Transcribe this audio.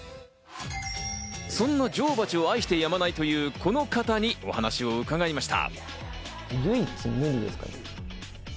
そんな女王蜂を愛してやまないという、この方にお話を伺いました。